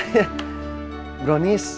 cilok cihoyama lima ratusan